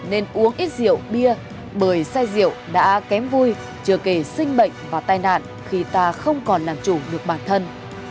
nên uống ít rượu bia bởi xe rượu đã kém vui chơi kể sinh bệnh và tai nạn khi ta không còn làm chủ được bản thân